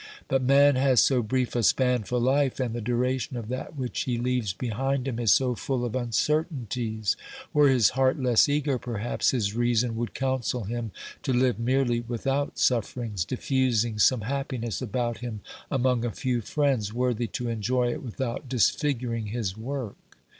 But man has so brief a span for life, and the duration of that which he leaves behind him is so full of uncertainties ! Were his heart less eager, perhaps his reason would counsel him to live merely without sufferings, diffusing some happiness about him among a few friends worthy to enjoy it without disfiguring his work.